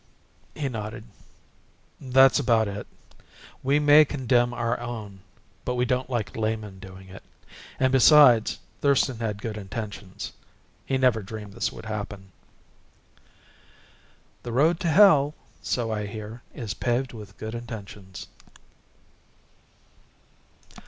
He nodded. "That's about it. We may condemn our own, but we don't like laymen doing it. And besides, Thurston had good intentions. He never dreamed this would happen." "The road to hell, so I hear, is paved with good intentions."